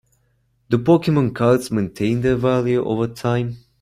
Do Pokemon cards maintain their value over time?